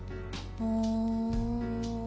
うん。